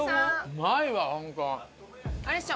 うまいわホント。